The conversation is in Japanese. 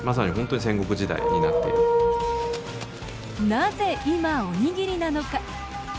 なぜ今、おにぎりなのか。